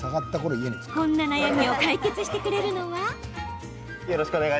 こんな悩みを解決してくれるのは。